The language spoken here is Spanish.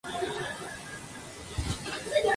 Fue capitán de la selección de fútbol de Bielorrusia.